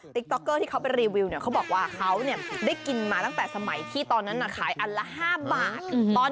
ตอนนี้เพิ่มมาก็ไม่ได้แพงเลย๗บาท